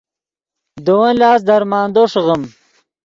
دے ون لاست درمندو ݰیغیم